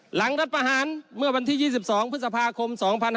รัฐประหารเมื่อวันที่๒๒พฤษภาคม๒๕๖๒